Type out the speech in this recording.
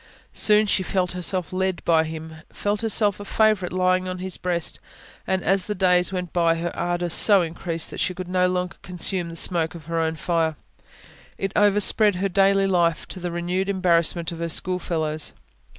Soon she felt herself led by Him, felt herself a favourite lying on His breast; and, as the days went by, her ardour so increased that she could not longer consume the smoke of her own fire: it overspread her daily life to the renewed embarrassment of her schoolfellows.